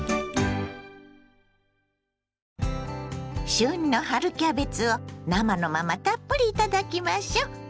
旬の春キャベツを生のままたっぷりいただきましょ。